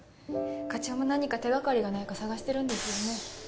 課長も何か手掛かりがないか探してるんですよね。